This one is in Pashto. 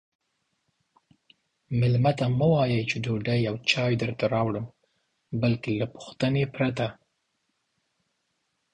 میلمه ته مه وایئ چې ډوډۍ او چای درته راوړم بلکې له پوښتنې پرته